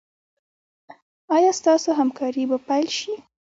ایا ستاسو همکاري به پیل شي؟